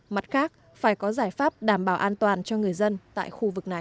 mặt khác phải có giải pháp đảm bảo an toàn cho người dân tại khu vực này